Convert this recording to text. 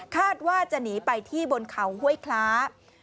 คาดว่าจะหนีไปที่บนเขาห้วยคล้า